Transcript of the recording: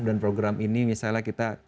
dan program ini misalnya kita